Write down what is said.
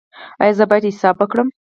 ایا زه باید حساب وکړم؟